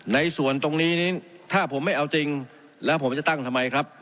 ในส่วนตรงนี้นี้ถ้าผมไม่เอาจริงแล้วผมจะตั้งทำไมครับ